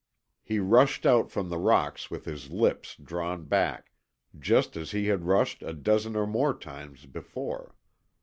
He rushed out from the rocks with his lips drawn back, just as he had rushed a dozen or more times before.